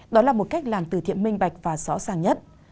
đó là một cách làm từ thiện minh bạch và rõ ràng nhất